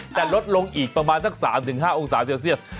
แต่ลดลงอีกประมาณสัก๓๕องศาเซลเซียส